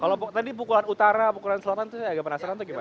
kalau tadi pukulan utara pukulan selatan itu saya agak penasaran atau gimana